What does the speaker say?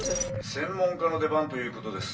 「専門家の出番ということです。